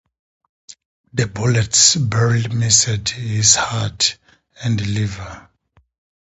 The bullets barely missed his heart and liver.